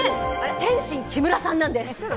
天津・木村さんなんです。